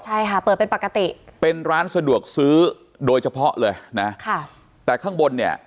ใช่ค่ะเปิดเป็นปกติเป็นร้านสะดวกซื้อโดยเฉพาะเลยนะค่ะแต่ข้างบนเนี่ย